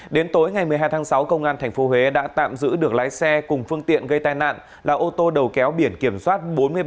đến tối ngày một mươi hai tháng sáu công an tp huế đã tạm giữ được lái xe cùng phương tiện gây tai nạn là ô tô đầu kéo biển kiểm soát bốn mươi ba